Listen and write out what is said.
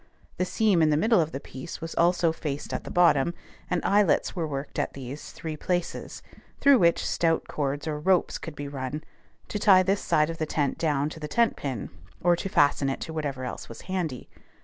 The seam in the middle of the piece was also faced at the bottom, and eyelets were worked at these three places, through which stout cords or ropes could be run to tie this side of the tent down to the tent pin, or to fasten it to whatever else was handy.